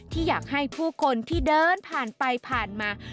ที่อยากให้ผู้คนที่เดินผ่านไปผ่านมา